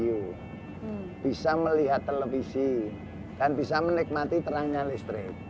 you bisa melihat televisi dan bisa menikmati terangnya listrik